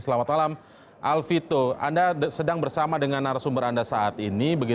selamat malam alvito anda sedang bersama dengan narasumber anda saat ini